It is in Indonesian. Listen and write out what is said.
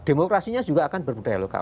demokrasinya juga akan berbudaya lokal